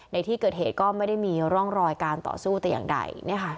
ในที่เกิดเหตุก็ไม่ได้มีร่องรอยการต่อสู้แต่อย่างใด